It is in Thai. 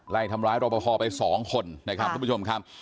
ไล่ทำร้ายรบพอไป๒คนนะครับท่านผู้ชมครับ